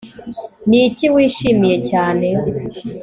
Niki wishimiye cyane